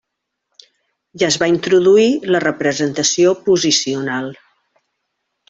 I es va introduir la representació posicional.